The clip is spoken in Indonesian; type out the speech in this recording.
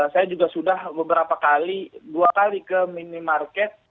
saya juga sudah beberapa kali dua kali ke minimarket